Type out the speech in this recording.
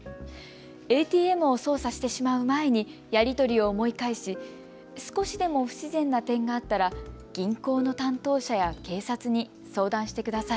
ＡＴＭを操作してしまう前にやり取りを思い返し、少しでも不自然な点があったら銀行の担当者や警察に相談してください。